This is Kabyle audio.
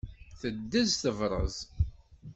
Teddez tebrez!